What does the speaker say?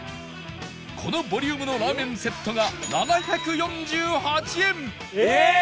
このボリュームのラーメンセットが７４８円ええー！